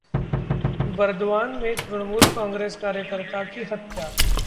बर्दवान में तृणमूल कांग्रेस कार्यकर्ता की हत्या